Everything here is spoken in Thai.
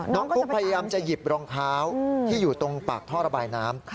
คุกพยายามจะหยิบรองเท้าที่อยู่ตรงปากท่อระบายน้ำ